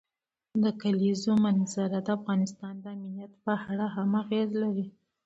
د کلیزو منظره د افغانستان د امنیت په اړه هم اغېز لري.